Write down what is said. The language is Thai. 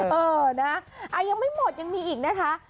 เออนะยังไม่หมดยังมีอีกนะคะ